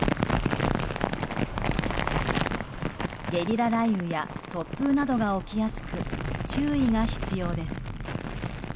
ゲリラ雷雨や突風などが起きやすく注意が必要です。